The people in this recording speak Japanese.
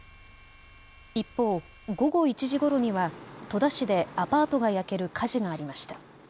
一方、午後１時ごろには戸田市でアパートが焼ける火事がありました。